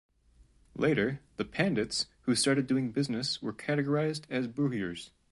Later, the Pandits who started doing business were categorised as Buhirs.